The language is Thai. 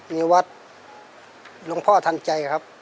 มีวัดหลวงพ่อทันใจครับ